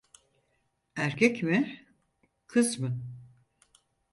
Erkek mi, kız mı?